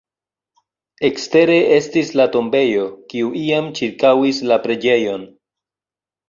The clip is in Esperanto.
Ekstere estis la tombejo, kiu iam ĉirkaŭis la preĝejon.